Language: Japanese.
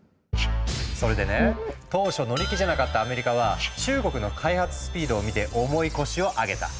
それでね当初乗り気じゃなかったアメリカは中国の開発スピードを見て重い腰を上げた。